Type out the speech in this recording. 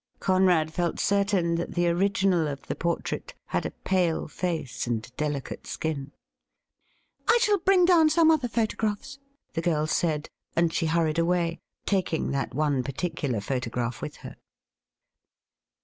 Conrad felt certain that the original of the portrait had a pale face and delicate skin. ' I shall bring down some other photographs,' the girl said, and she hurried away, taking that one particular photograph with her.